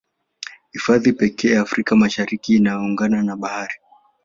Hifadhi pekee Afrika Mashariki inayoungana na Bahari